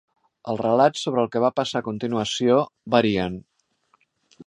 Els relats sobre el que va passar a continuació varien.